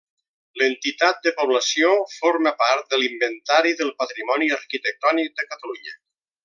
L'entitat de població forma part de l'Inventari del Patrimoni Arquitectònic de Catalunya.